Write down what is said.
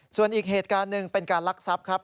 ส่วนอีกเหตุการณ์หนึ่งเป็นการลักทรัพย์ครับ